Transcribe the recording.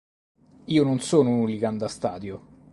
Io non sono un hooligan da stadio.